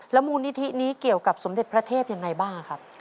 มูลนิธินี้เกี่ยวกับสมเด็จพระเทพยังไงบ้างครับ